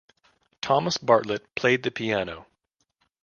Thomas Bartlett played the piano.